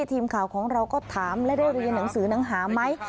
ทีมข่าวของเราก็ถามและได้เรียนหนังสือหนังหาไหม